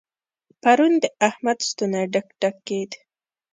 پرون د احمد ستونی ډک ډک کېد.